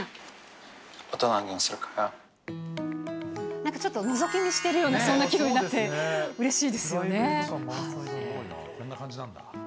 なんかちょっと、のぞき見しているようなそんな気分になって、こんな感じなんだ。